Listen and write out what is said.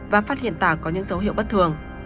và phát hiện tả có những dấu hiệu bất thường